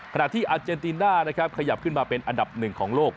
ขณะที่อาเซียนอาเซียนนะครับขยับขึ้นมาเป็นอันดับ๑ของโลก